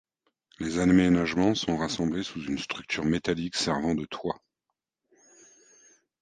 Les aménagements sont rassemblés sous une structure métallique servant de toit.